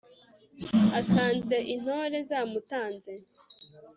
asanze intore zamutanze